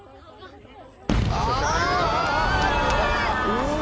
うわ！